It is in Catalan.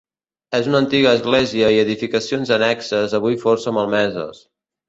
És una antiga església i edificacions annexes avui força malmeses.